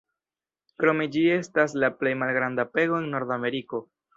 Krome ĝi estas la plej malgranda pego en Nordameriko.